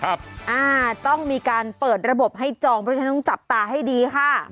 อ่าต้องมีการเปิดระบบให้จองเพราะฉะนั้นต้องจับตาให้ดีค่ะ